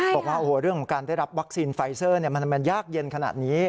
บอกว่าเรื่องของการได้รับวัคซีนไฟเซอร์มันยากเย็นขนาดนี้